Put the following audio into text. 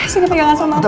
sini pegangan sama aku